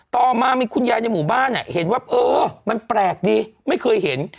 ต่อมามีคุณยายในหมู่บ้านเห็นว่าเออมันแปลกดีไม่เคยเห็น